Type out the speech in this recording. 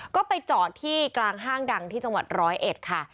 ก็ไปจอดที่กลางห้างดังที่จังหวัดร้อยเอ็ดค่ะ